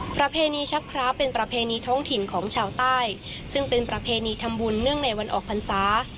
ประเพณีชักพระเป็นประเพณีท้องถิ่นของชาวใต้ซึ่งเป็นประเพณีทำบุญเนื่องในวันออกพรรษา